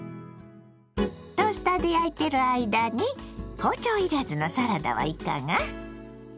トースターで焼いてる間に包丁いらずのサラダはいかが。